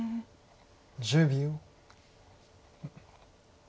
１０秒。